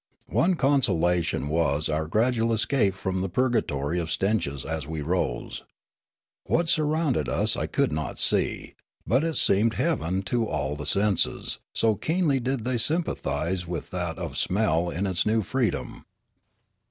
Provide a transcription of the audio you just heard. One consolation was our gradual escape from the purgatory of stenches as we rose. What surrounded us I could not see, but it seemed heaven to all the senses, so keenly did they sympathise with that of smell in its new freedom.